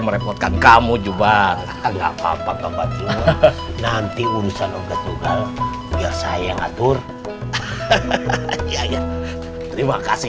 merepotkan kamu jumat nggak papa papa nanti urusan organ tunggal biar saya ngatur hahaha terima kasih